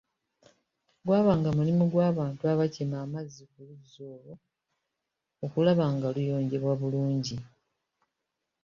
Gwabanga mulimu gw'abantu abakima ku luzzi olwo okulaba nga luyonjebwa bulungi.